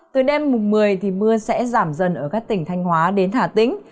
từ đêm mùng một mươi thì mưa sẽ giảm dần ở các tỉnh thanh hóa đến hà tĩnh